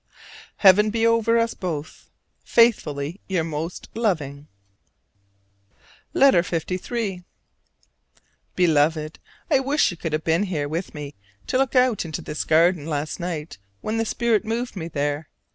Heaven be over us both. Faithfully your most loving. LETTER LIII. Beloved: I wish you could have been with me to look out into this garden last night when the spirit moved me there.